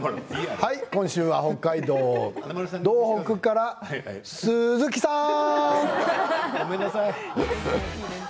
今週は北海道、道北から鈴木さん。